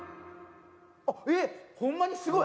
えっ、ホンマにすごい！